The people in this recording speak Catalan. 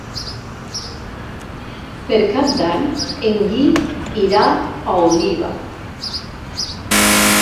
Per Cap d'Any en Guim irà a Oliva.